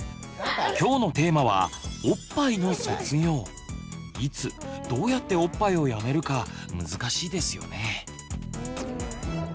今日のテーマはいつどうやっておっぱいをやめるか難しいですよね。